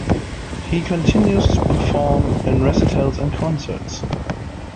He continues to perform in recitals and concerts.